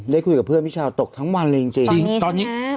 ได้คุยกับเพื่อนพี่ชาวตกทั้งวันเลยจริง